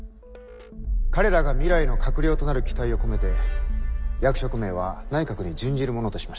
「彼らが未来の閣僚となる期待を込めて役職名は内閣に準じるものとしました」。